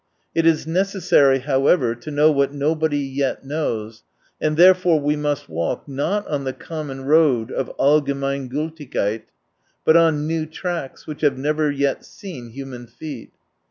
It is necessary, however, to know what nobody yet knows, and therefore we must walk, not on the common road of Allgemeingultigkeit, but on new tracks, which have never yet seen human feet.